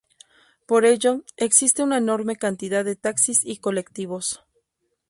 Por ello, existe una enorme cantidad de taxis y colectivos.